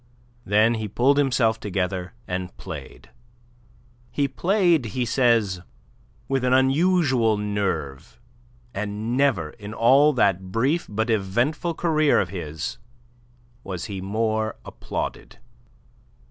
Then he pulled himself together, and played. He played, he says, with an unusual nerve, and never in all that brief but eventful career of his was he more applauded.